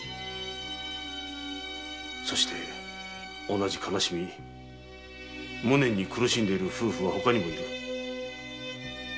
同じ悲しみと無念に苦しんでいる夫婦はほかにも居る。